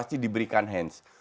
pasti diberikan hands